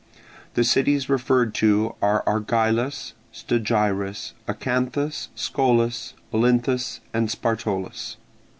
The cities referred to are Argilus, Stagirus, Acanthus, Scolus, Olynthus, and Spartolus.